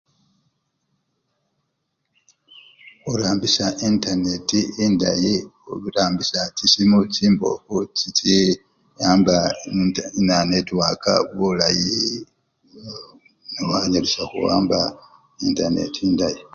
Khurambisya entaneti endayi, khurambisya chisimu chimbofu chichi amba ne! netiwaka bulayi newanyalisya khuwamba entaneti endayi.